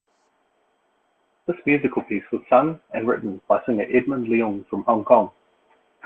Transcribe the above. This musical piece was sung and written by singer Edmond Leung from Hong Kong.